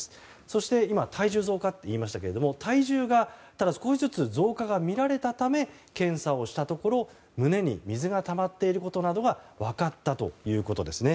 そして、体重増加と言いましたけども体重が少しずつ増加が見られたため検査をしたところ胸に水がたまっていることなどが分かったということです。